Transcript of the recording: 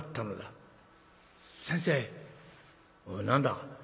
「何だ？」。